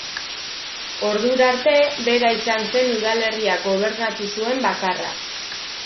Ordura arte, bera izan zen udalerria gobernatu zuen bakarra.